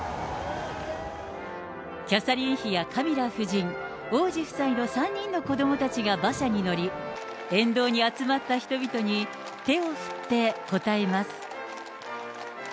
キャサリン妃やカミラ夫人、王子夫妻の３人の子どもたちが馬車に乗り、沿道に集まった人々に手を振って応えます。